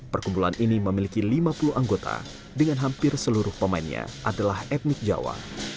perkumpulan ini memiliki lima puluh anggota dengan hampir seluruh pemainnya adalah etnik jawa